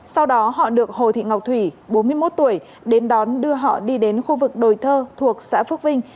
sau đó họ được hồ thị ngọc thủy bốn mươi một tuổi đến đón đưa họ đi đến khu vực đồi thơ thuộc xã phước vinh